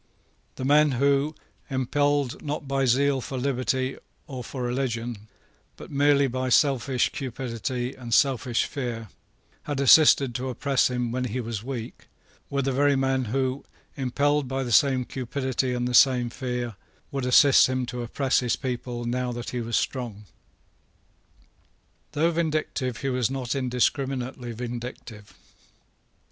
The men who, impelled, not by zeal for liberty or for religion, but merely by selfish cupidity and selfish fear, had assisted to oppress him when he was weak, were the very men who, impelled by the same cupidity and the same fear, would assist him to oppress his people now that he was strong. Though vindictive, he was not indiscriminately vindictive.